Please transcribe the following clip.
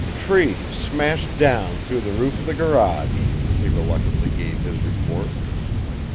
"Tree smashed down through the roof of the garage," he reluctantly gave his report.